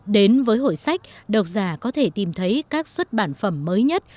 đến với hội sách độc giả có thể tìm thấy các xuất bản phẩm mới nhất